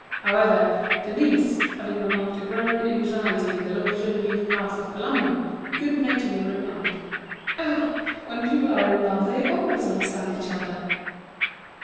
However, Denise, having remarked a growing anxiety in the look Geneviève cast at Colomban, good naturedly replied: "Oh! when people are in love they always understand each other."